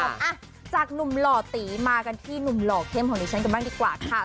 อ่ะจากหนุ่มหล่อตีมากันที่หนุ่มหล่อเข้มของดิฉันกันบ้างดีกว่าค่ะ